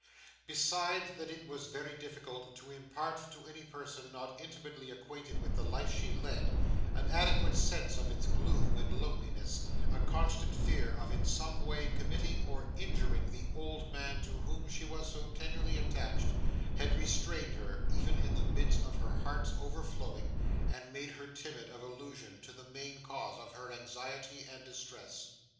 Besides that it was very difficult to impart to any person not intimately acquainted with the life she led, an adequate sense of its gloom and loneliness, a constant fear of in some way committing or injuring the old man to whom she was so tenderly attached, had restrained her, even in the midst of her heart's overflowing, and made her timid of allusion to the main cause of her anxiety and distress.